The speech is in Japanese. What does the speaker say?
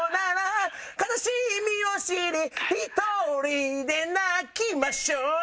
「悲しみを知り独りで泣きましょう」